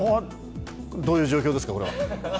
どういう状況ですか、これは。